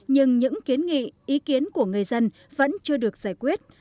nhưng những kiến nghị ý kiến của người dân vẫn chưa được giải quyết